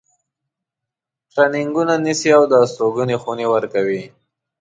ترینینګونه نیسي او د استوګنې خونې ورکوي.